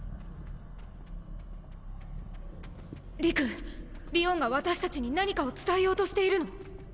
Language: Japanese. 理玖りおんが私達に何かを伝えようとしているの？